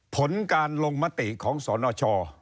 ผลการลงมติของสนช